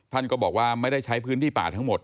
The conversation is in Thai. ท่านก็บอกว่าไม่ได้ใช้พื้นที่ป่าทั้งหมด